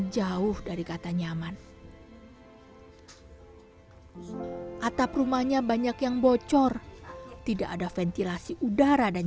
jadi tidak boleh ada yang terlewat